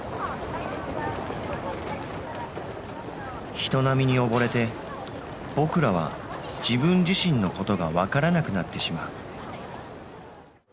人波に溺れてぼくらは自分自身のことが分からなくなってしまう。